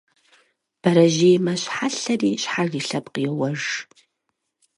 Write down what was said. Бэрэжьей мэщхьэлъэри щхьэж и лъэпкъ йоуэж.